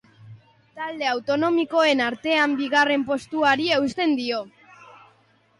Talde autonomikoen artean bigarren postuari eusten dio.